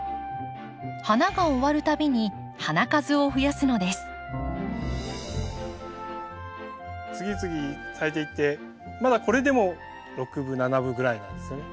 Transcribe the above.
花が終わる度に次々咲いていってまだこれでも６分７分ぐらいなんですよね。